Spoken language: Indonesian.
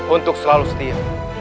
untuk selalu setia